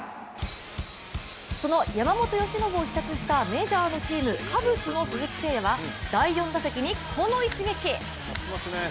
その山本由伸を視察したメジャーのチームカブスの鈴木誠也は、第４打席にこの一撃。